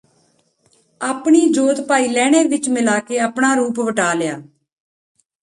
ਆਪਣੀ ਜੋਤਿ ਭਾਈ ਲਹਿਣੇ ਵਿਚ ਮਿਲਾ ਕੇ ਆਪਣਾ ਰੂਪ ਵਟਾ ਲਿਆ